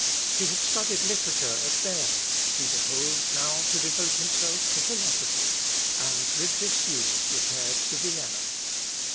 He had studied literature at Berne; he behoved now to devote himself to philosophy, and with this view repaired to Vienna.